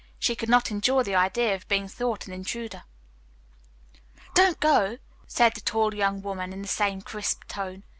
She could not endure the idea of being thought an intruder. "Don't go," said the tall young woman, in the same crisp tone.